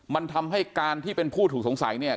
มันทำให้การที่เป็นผู้ถูกสงสัยเนี่ย